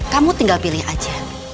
kamu tinggal pilih aja